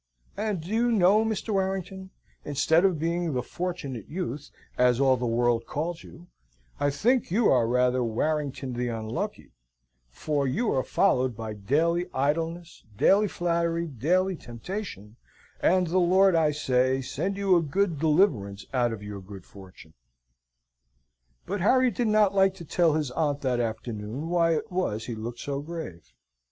And do you know, Mr. Warrington, instead of being the Fortunate Youth, as all the world calls you, I think you are rather Warrington the Unlucky, for you are followed by daily idleness, daily flattery, daily temptation, and the Lord, I say, send you a good, deliverance out of your good fortune." But Harry did not like to tell his aunt that afternoon why it was he looked so grave.